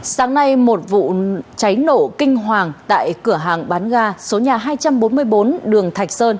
sáng nay một vụ cháy nổ kinh hoàng tại cửa hàng bán ga số nhà hai trăm bốn mươi bốn đường thạch sơn